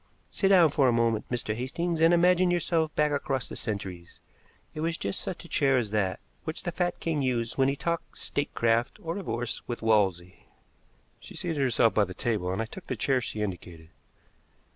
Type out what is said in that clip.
Sit down for a moment, Mr. Hastings, and imagine yourself back across the centuries. It was just such a chair as that which the fat king used when he talked statecraft or divorce with Wolsey." She seated herself by the table, and I took the chair she indicated.